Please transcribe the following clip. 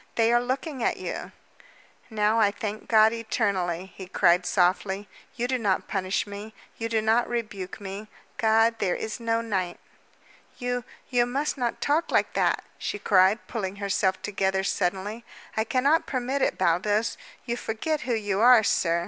"They are looking at you!" "Now, I thank God eternally," he cried softly, "You do not punish me, you do not rebuke me. God, there is no night!" "You you must not talk like that," she cried, pulling herself together suddenly. "I cannot permit it, Baldos. You forget who you are, sir."